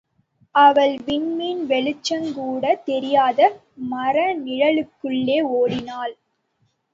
அவள் விண்மீன் வெளிச்சங்கூடத் தெரியாத மரநிழலுக்குள்ளே ஓடினாள்.